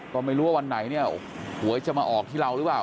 ก็ไม่รู้วันไหนหวยจะมาออกที่เราหรือเปล่า